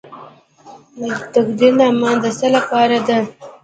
تقدیرنامه د څه لپاره ده؟